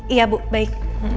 iya bu baik